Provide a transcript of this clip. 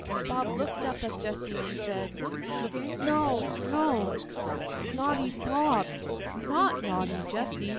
Bob looked up at Jessy, and said, 'No, no; naughty Bob, not naughty Jessy.